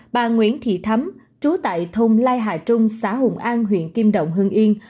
bà nguyễn thị thấm trú tại thôn lai hạ trung xã hùng an huyện kim động hương yên